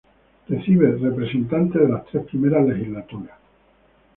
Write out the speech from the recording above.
Recibe representantes de las tres primeras legislaturas.